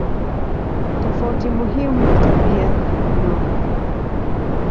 Tofauti muhimu ni tabia no.